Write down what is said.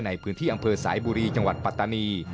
ในพื้นที่อำเภอสายบุรีจังหวัดปัตตานี